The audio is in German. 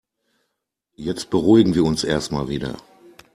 Jetzt beruhigen wir uns erstmal wieder.